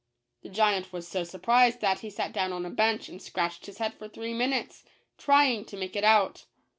The giant was so surprised that he sat down on a bench, and scratched his head for three minutes, trying to make it out.